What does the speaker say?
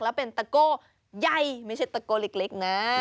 แล้วเป็นตะโก้ใหญ่ไม่ใช่ตะโก้เล็กนะ